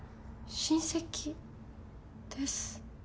親戚です